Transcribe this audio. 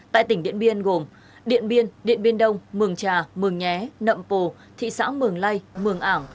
tại tỉnh điện biên gồm điện biên điện biên đông mường trà mường nhé nậm pồ thị xã mường lây mường ảng